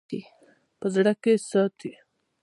په زړه کښې ساتي--